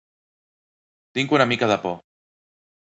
Tinc una mica de por.